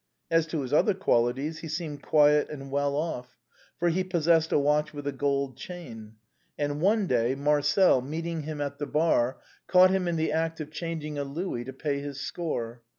As to his other qualities, he seemed quiet and well off, for he possessed a watch with a gold chain ; and one day. Marcel, meeting him at the bar, caught him in the act of changing a louis to pay his score.